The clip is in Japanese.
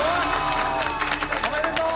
おめでとう！